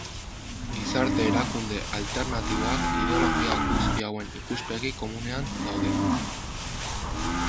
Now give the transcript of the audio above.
Gizarte erakunde alternatiboak ideologia guzti hauen ikuspegi komunean daude.